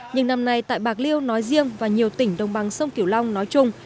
nhưng năm nay tại bạc liêu nói riêng và nhiều tỉnh đông bằng sông kiểu long nói chung